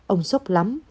ông sốc lắm